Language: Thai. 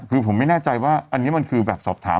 คือผมไม่แน่ใจว่าอันนี้มันคือแบบสอบถาม